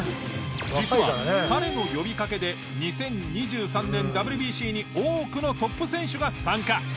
実は彼の呼びかけで２０２３年ＷＢＣに多くのトップ選手が参加。